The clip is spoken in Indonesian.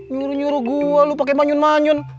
nyuruh nyuruh gue lu pake manyun manyun